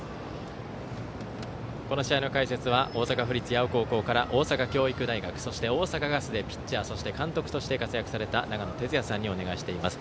この試合の解説は大阪府立八尾高校から大阪教育大学そして、大阪ガスでピッチャーそして監督として活躍された長野哲也さんにお願いしています。